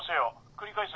繰り返す。